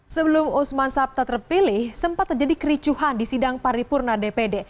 sebelum usman sabta terpilih sempat terjadi kericuhan di sidang paripurna dpd